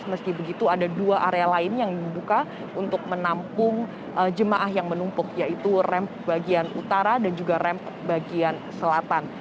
meski begitu ada dua area lain yang dibuka untuk menampung jemaah yang menumpuk yaitu rem bagian utara dan juga rem bagian selatan